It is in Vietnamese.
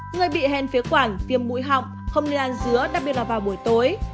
người bị hèn phế quản viêm mũi họng không nên ăn dứa đặc biệt vào buổi tối